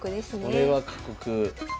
これは過酷。